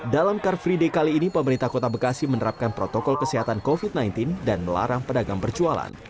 dalam car free day kali ini pemerintah kota bekasi menerapkan protokol kesehatan covid sembilan belas dan melarang pedagang berjualan